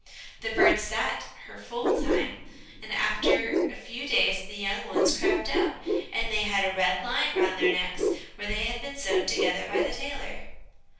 The bird sat her full time, and after a few days the young ones crept out, and they had a red line round their necks where they had been sewn together by the tailor.